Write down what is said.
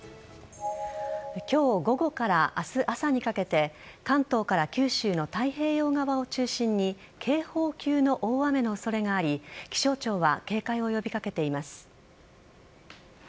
今日午後から明日朝にかけて関東から九州の太平洋側を中心に警報級の大雨の恐れがあり気象庁は警戒を呼び掛けています。